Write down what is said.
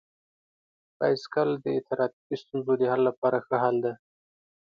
بایسکل د ټرافیکي ستونزو د حل لپاره ښه حل دی.